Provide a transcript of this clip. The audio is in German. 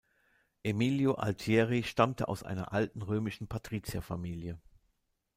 Emilio Altieri stammte aus einer alten römischen Patrizierfamilie.